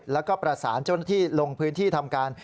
แล้วก็ประสานเจ้านักฐีลงที่ทำการ